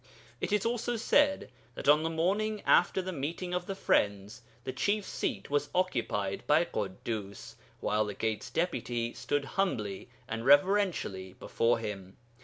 It is also said that on the morning after the meeting of the friends the chief seat was occupied by Ḳuddus, while the Gate's Deputy stood humbly and reverentially before him.